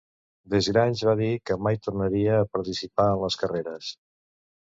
Desgrange va dir que mai tornaria a participar en les carreres.